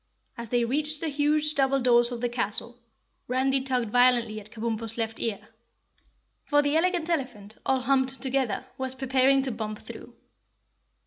As they reached the huge double doors of the red castle, Randy tugged violently at Kabumpo's left ear, for the Elegant Elephant, all humped together, was preparing to bump through.